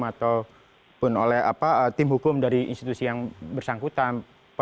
ataupun oleh tim hukum dari institusi yang bersangkutan